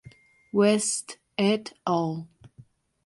West et al.